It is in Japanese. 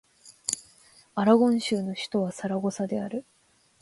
アラゴン州の州都はサラゴサである